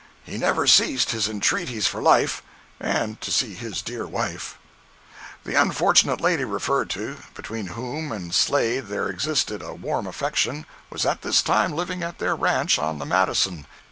He never ceased his entreaties for life, and to see his dear wife. The unfortunate lady referred to, between whom and Slade there existed a warm affection, was at this time living at their ranch on the Madison.